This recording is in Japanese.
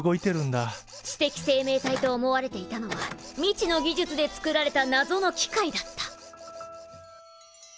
知的生命体と思われていたのは未知の技術で作られたなぞの機械だった。